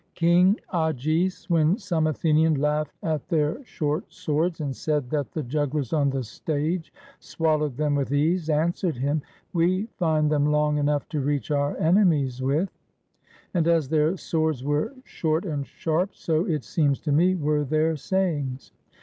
King Agis, when some Athenian laughed at their short swords, and said that the jugglers on the stage swallowed them with ease, answered him, "We find them long enough to reach our enemies with"; and as their swords were short and sharp, so, it seems to me, were their sayings.